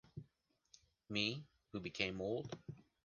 Me, who became old...